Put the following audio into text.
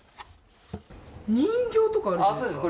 人形とかあるじゃないですか。